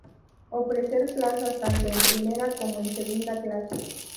Ofrecen plazas tanto en primera como en segunda clase.